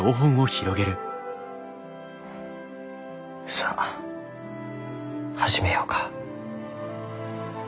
さあ始めようか。